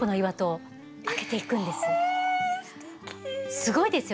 すごいですよ。